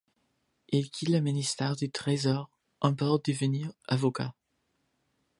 Il quitte le ministère du Trésor en pour devenir avocat.